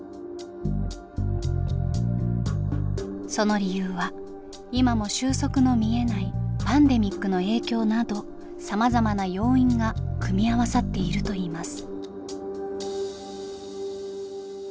その理由は今も収束の見えないパンデミックの影響などさまざまな要因が組み合わさっているといいます。